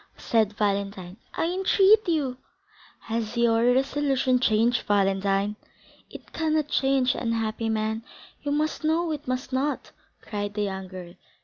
said Valentine; "I entreat you." "Has your resolution changed, Valentine?" "It cannot change, unhappy man; you know it must not!" cried the young girl.